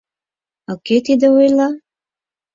А кӧ тиде ойла?